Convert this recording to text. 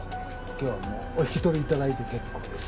今日はもうお引き取りいただいて結構です。